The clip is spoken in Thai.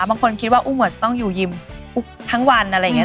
บางคนคิดว่าอุ้มอาจจะต้องอยู่ยิมทั้งวันอะไรอย่างนี้